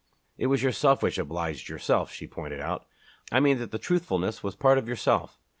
"It was yourself which obliged yourself," she pointed out, "I mean that the truthfulness was part of yourself.